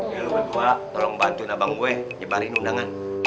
ya lu berdua tolong bantuin abang gue nyebarin undangan